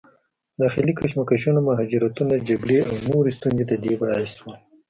داخلي کشمکشونه، مهاجرتونه، جګړې او نورې ستونزې د دې باعث شول